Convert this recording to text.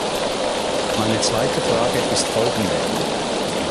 Meine zweite Frage ist Folgende.